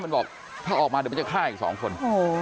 ไปกว่าออกมาก็จะฆ่าอีกสองคน